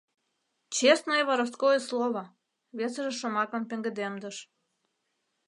«Честное воровское слово!» — весыже шомакым пеҥгыдемдыш.